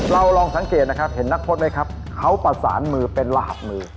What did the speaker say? ลองสังเกตนะครับเห็นนักพจน์ไหมครับเขาประสานมือเป็นรหัสมือ